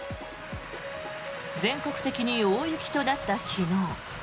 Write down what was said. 全国的に大雪となった昨日。